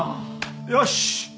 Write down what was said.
よし！